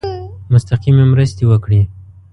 مستقیمي مرستي وکړي.